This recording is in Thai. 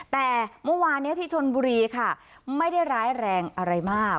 แต่เมื่อวานนี้ที่ชนบุรีค่ะไม่ได้ร้ายแรงอะไรมาก